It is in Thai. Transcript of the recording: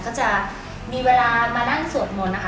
ก็จะมีเวลามานั่งสวดมนต์นะคะ